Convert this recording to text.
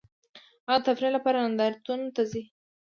هغه د تفریح لپاره نندارتونونو ته ځي